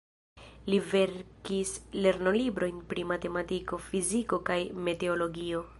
Li verkis lernolibrojn pri matematiko, fiziko kaj meteologio.